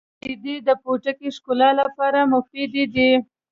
• شیدې د پوټکي ښکلا لپاره مفیدې دي.